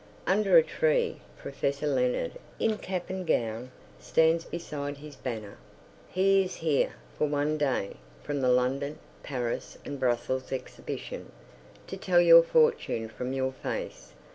Under a tree, Professor Leonard, in cap and gown, stands beside his banner. He is here "for one day," from the London, Paris and Brussels Exhibition, to tell your fortune from your face.